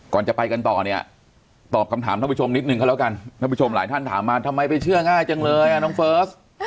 ก่อนจะไปกันต่อเนี่ยตอบคำถามท่านผู้ชมนิดนึงก็แล้วกันท่านผู้ชมหลายท่านถามมาทำไมไปเชื่อง่ายจังเลยอ่ะน้องเฟิร์ส